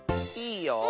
いいよ。